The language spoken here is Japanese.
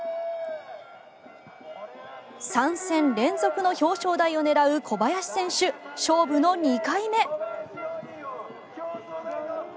３戦連続の表彰台を狙う小林選手勝負の２回目。